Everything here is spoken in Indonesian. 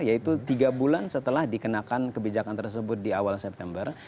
yaitu tiga bulan setelah dikenakan kebijakan tersebut di awal september